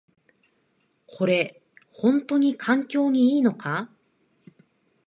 これ、ほんとに環境にいいのか？